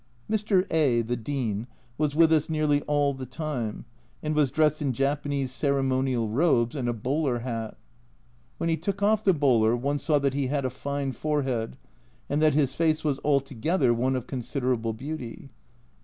Mr. A , the Dean, was with us nearly all the time, and was dressed in Japanese ceremonial robes A Journal from Japan 167 and a bowler hat. When he took off the bowler, one saw that he had a fine forehead, and that his face was altogether one of considerable beauty.